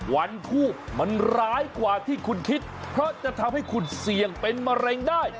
วันทูบมันร้ายกว่าที่คุณคิดเพราะจะทำให้คุณเสี่ยงเป็นมะเร็งได้